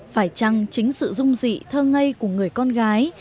phải chăng chính sự rung dị thơ ngây của người con gái